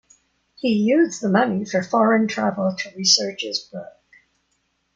He used the money for foreign travel to research his book.